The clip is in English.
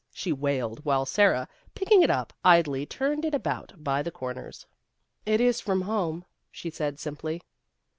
she wailed, while Sara, picking it up, idly turned it about by the corners. " It is from home," she said simply.